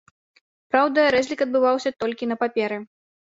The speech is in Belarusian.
Праўда, разлік адбываўся толькі на паперы.